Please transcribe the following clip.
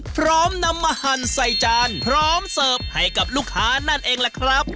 พร้อมนำมาหั่นใส่จานพร้อมเสิร์ฟให้กับลูกค้านั่นเองล่ะครับ